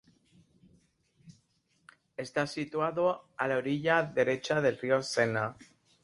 Está situado en la orilla derecha del río Sena.